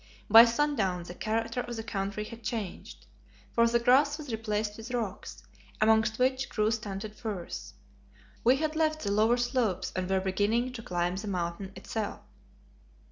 By sundown the character of the country had changed, for the grass was replaced with rocks, amongst which grew stunted firs. We had left the lower slopes and were beginning to climb the Mountain itself.